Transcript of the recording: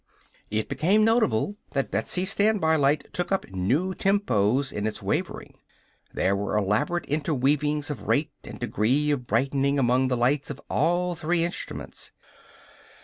It became notable that Betsy's standby light took up new tempos in its wavering. There were elaborate interweavings of rate and degree of brightening among the lights of all three instruments.